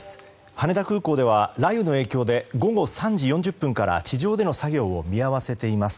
羽田空港では雷雨の影響で午後３時４０分から地上での作業を見合わせています。